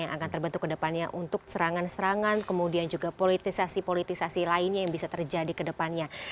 yang akan terbentuk ke depannya untuk serangan serangan kemudian juga politisasi politisasi lainnya yang bisa terjadi ke depannya